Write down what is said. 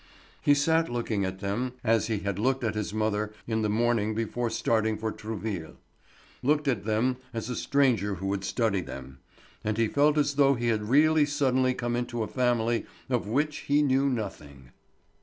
He sat looking at them as he had looked at his mother in the morning before starting for Trouville; looking at them as a stranger who would study them, and he felt as though he had really suddenly come into a family of which he knew nothing.